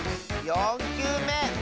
４きゅうめ。